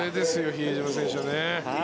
比江島選手の。